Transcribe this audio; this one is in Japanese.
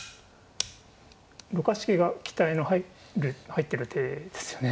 ６八桂が鍛えの入ってる手ですよね。